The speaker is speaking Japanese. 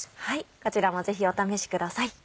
こちらもぜひお試しください。